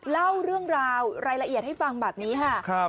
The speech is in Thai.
เล่าเรื่องราวรายละเอียดให้ฟังแบบนี้ค่ะ